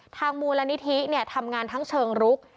มูลนิธิทำงานทั้งเชิงรุก